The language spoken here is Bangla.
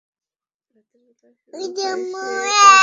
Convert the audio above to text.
রাতের বেলা শুরু হয়ে সেই বর্ষণ চলল পরের দিন বিকেল পর্যন্ত।